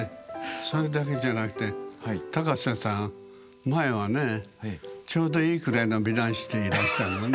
それだけじゃなくて高瀬さん前はねちょうどいいくらいの美男子でいらしたのね。